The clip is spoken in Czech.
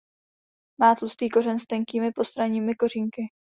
Má tlustý kořen s tenkými postranními kořínky.